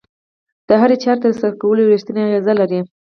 د هرې چارې ترسره کول يې رېښتینی اغېز لري.